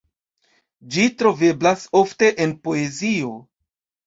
Ĝi troveblas ofte en poezio.